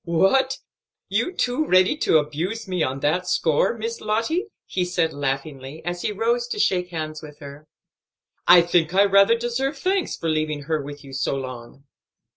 "What, you too ready to abuse me on that score, Miss Lottie?" he said laughingly, as he rose to shake hands with her. "I think I rather deserve thanks for leaving her with you so long."